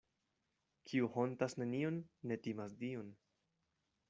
Kiu hontas nenion, ne timas Dion.